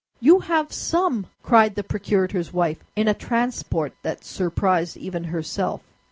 "You have some!" cried the procurator's wife, in a transport that surprised even herself.